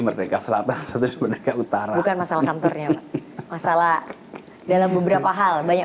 merdeka selatan satu di merdeka utara bukan masalah kantornya masalah dalam beberapa hal banyak